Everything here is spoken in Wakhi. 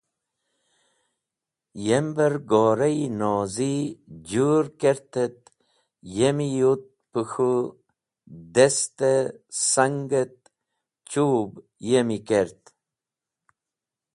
yember gorayi nozi jũr kert et yemi yut pẽ k̃hũ dast-e sang et chub yemi kert.